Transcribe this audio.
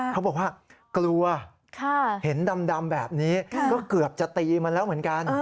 เขาบอกว่ากลัวเห็นดำแบบนี้ก็เกือบจะตีมันแล้วเหมือนกัน